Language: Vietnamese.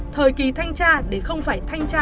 thời kỳ thanh tra để không phải thanh tra